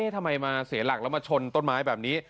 ทำไมมาเสียหลักแล้วมาชนต้นไม้แบบนี้